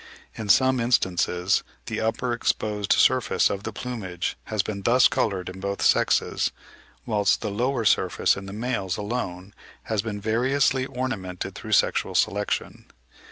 In some instances the upper exposed surface of the plumage has been thus coloured in both sexes, whilst the lower surface in the males alone has been variously ornamented through sexual selection.